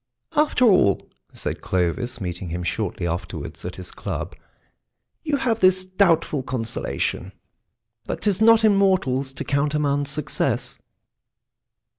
"After all," said Clovis, meeting him shortly afterwards at his club, "you have this doubtful consolation, that 'tis not in mortals to countermand success."